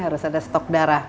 harus ada stok darah